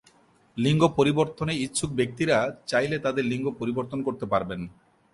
লিঙ্গ পরিবর্তনে ইচ্ছুক ব্যক্তিরা চাইলে তাদের লিঙ্গ পরিবর্তন করতে পারবেন।